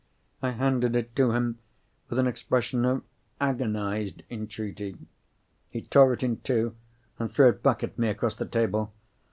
I handed it to him with an expression of agonised entreaty. He tore it in two, and threw it back at me across the table.